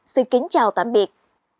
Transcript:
xin kính chào tạm biệt